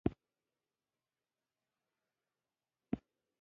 د خیر غوښتنې عملي بڼه مرسته ده.